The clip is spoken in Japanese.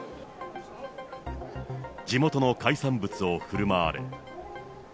地元の海産物をふるまわれ。